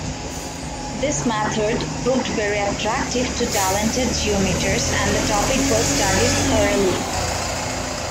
This method proved very attractive to talented geometers, and the topic was studied thoroughly.